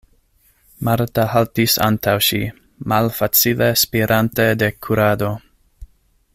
Marta haltis antaŭ ŝi, malfacile spirante de kurado.